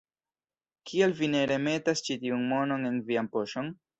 Kial vi ne remetas ĉi tiun monon en vian poŝon?